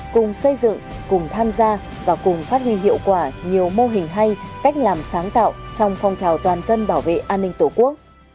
cùng xây dựng cùng tham gia và cùng phát huy hiệu quả nhiều mô hình hay cách làm sáng tạo trong phong trào toàn dân bảo vệ an ninh tổ quốc